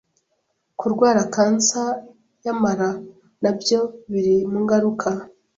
kurwara Cancer y’amara nabyo biri mungaruka